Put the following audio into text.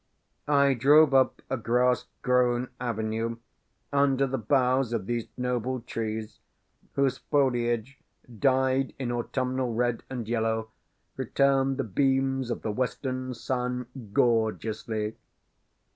I drove up a grass grown avenue, under the boughs of these noble trees, whose foliage, dyed in autumnal red and yellow, returned the beams of the western sun gorgeously.